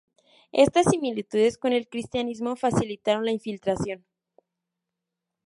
Estas similitudes con el cristianismo facilitaron la infiltración.